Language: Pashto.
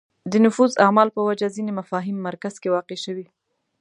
د نفوذ اعمال په وجه ځینې مفاهیم مرکز کې واقع شوې